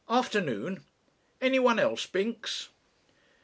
Afternoon. Anyone else, Binks?"